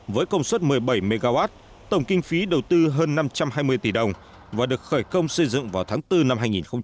với công suất một mươi bảy mw tổng kinh phí đầu tư hơn năm trăm hai mươi tỷ đồng và được khởi công xây dựng vào tháng bốn năm hai nghìn hai mươi